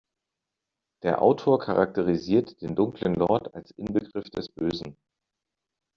Der Autor charakterisiert den dunklen Lord als Inbegriff des Bösen.